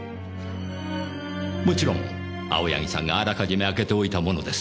もちろん青柳さんがあらかじめ開けておいたものです。